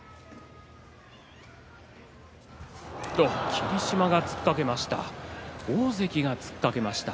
霧島が突っかけました。